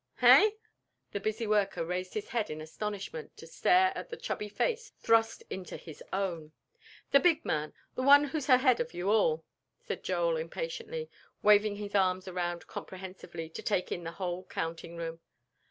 "Hey?" The busy worker raised his head in astonishment to stare into the chubby face thrust into his own. "The big man, the one who's ahead of you all?" said Joel, impatiently, waving his arms around comprehensively to take in the whole counting room.